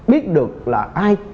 biết được là ai